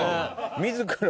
自ら。